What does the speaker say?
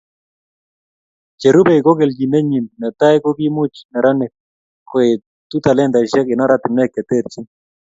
Cherubei ko kelchinenyi, netai ko kikomuch neranik koetu talentaisiek eng oratinwek che terchin